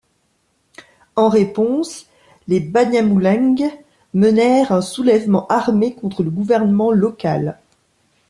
En réponse, les Banyamulenge menèrent un soulèvement armé contre le gouvernement local.